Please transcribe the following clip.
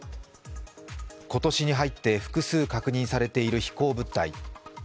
今年に入って複数確認されている飛行物体。